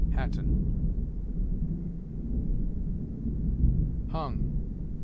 Hatton. HUNG.